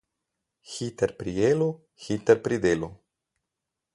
Hiter pri jelu, hiter pri delu.